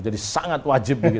jadi sangat wajib gitu